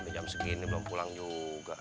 jam segini belum pulang juga